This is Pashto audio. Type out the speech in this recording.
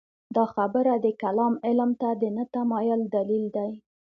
دا خبره د کلام علم ته د نه تمایل دلیل دی.